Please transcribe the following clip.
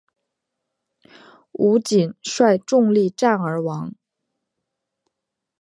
吴瑾率众力战而亡。